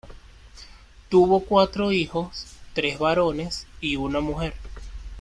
Tuvo cuatro hijos, tres varones y una mujer.